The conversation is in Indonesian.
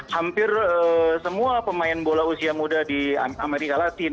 hampir semua pemain bola usia muda di amerika latin